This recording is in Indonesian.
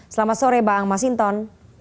selamat sore bang masinton